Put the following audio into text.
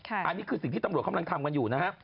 อันนี้คือสิ่งที่ตำรวจกำลังทำกันอยู่นะฮะ